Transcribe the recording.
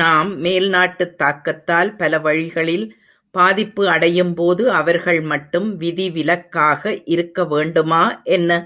நாம் மேல் நாட்டுத் தாக்கத்தால் பல வழிகளில் பாதிப்பு அடையும் போது அவர்கள் மட்டும் விதிவிலக்காக இருக்கவேண்டுமா என்ன?